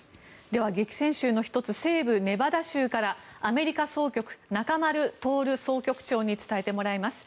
では激戦州の１つ西部ネバダ州からアメリカ総局、中丸徹総局長に伝えてもらいます。